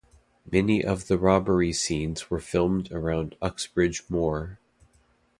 Many of the robbery scenes were filmed around Uxbridge Moor.